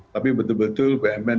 tapi betul betul bumn